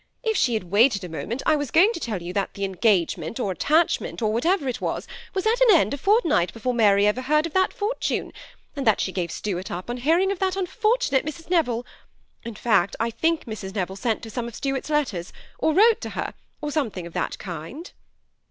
If she had waited a moment, I was going to tell you that the en THE SEMI ATTACHED COUPLE. 175 gagement or attachment, or whatever it was, was at an end, a fortnight before Mary ever heard of that fortune, and that she gave Stuart up, on hearing of that unfor tunate Mrs. Neville, In fact, I think Mrs. Neville sent her some of Stuart's letters, or wrote to her, or something of that kind.''